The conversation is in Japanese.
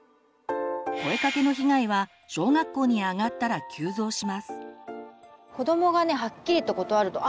「声かけ」の被害は小学校に上がったら急増します。